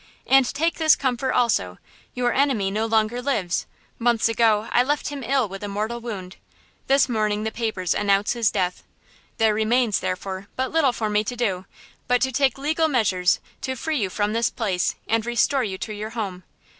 And take this comfort also; your enemy no longer lives: months ago I left him ill with a mortal wound. This morning the papers announce his death. There remains, therefore, but little for me to do, but to take legal measures to free you from this place, and restore you to your home.